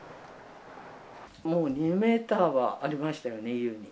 もう２メーターはありました